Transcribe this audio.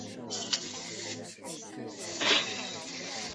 殿试登进士第二甲第五十八名。